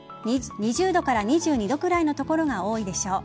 ２０度から２２度くらいの所が多いでしょう。